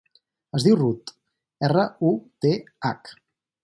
Es diu Ruth: erra, u, te, hac.